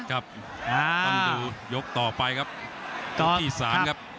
ครับต้องดูยกต่อไปครับอีสานครับ